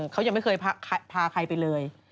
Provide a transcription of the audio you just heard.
เขายังไม่เคยพาใครไปเลย